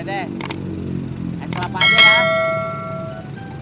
emang kenapa kalau lagi enggak puasa